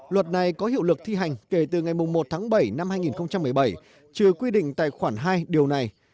luật này có hiệu lực thi hành kể từ ngày một tháng bảy năm hai nghìn một mươi bảy trừ quy định tài khoản hai điều này